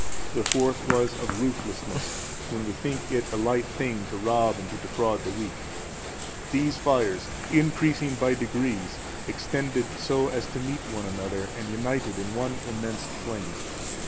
The fourth was of ruthlessness when we think it a light thing to rob and to defraud the weak. These fires, increasing by degrees, extended so as to meet one another, and united in one immense flame.